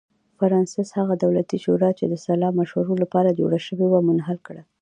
فرانسس هغه دولتي شورا چې د سلا مشورو لپاره جوړه شوې وه منحل کړه.